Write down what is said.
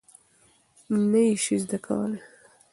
نه یې شې زده کولی؟